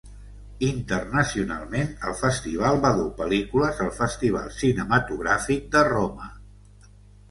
Internacionalment, el Festival va dur pel·lícules al Festival Cinematogràfic de Roma.